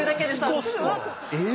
え！